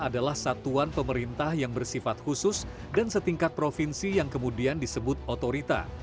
adalah satuan pemerintah yang bersifat khusus dan setingkat provinsi yang kemudian disebut otorita